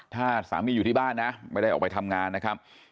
ถ้าสามีอยู่ที่บ้านนะไม่ได้ออกไปทำงานนะครับ